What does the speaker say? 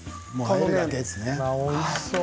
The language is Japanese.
おいしそう。